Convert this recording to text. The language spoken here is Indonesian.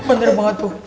bener banget tuh